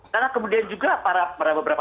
karena kemudian juga para beberapa